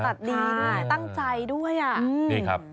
แบบดีด้วยตั้งใจด้วยอ่ะ